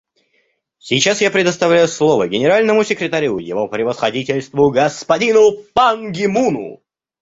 Сейчас я предоставляю слово Генеральному секретарю Его Превосходительству господину Пан Ги Муну.